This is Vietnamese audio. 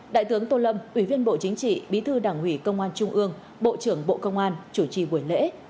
đại tướng tô lâm ủy viên bộ chính trị bí thư đảng ủy công an trung ương bộ trưởng bộ công an chủ trì buổi lễ